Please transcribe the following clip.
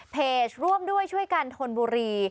ร่วมด้วยช่วยกันธนบุรี